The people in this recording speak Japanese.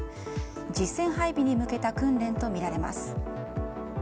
実戦配備に向けた訓練とみられます。